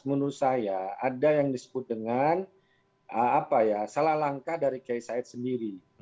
menurut saya ada yang disebut dengan salah langkah dari kiai said sendiri